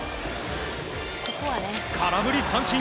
空振り三振。